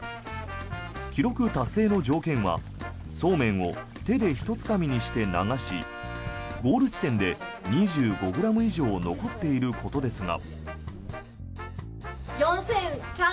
記録達成の条件はそうめんを手でひとつかみにして流しゴール地点で２５ｇ以上残っていることですが。